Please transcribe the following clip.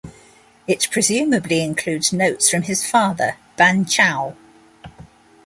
It presumably includes notes from his father Ban Chao.